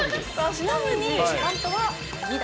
ちなみに、バントは犠打。